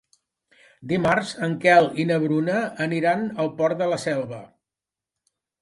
Dimarts en Quel i na Bruna aniran al Port de la Selva.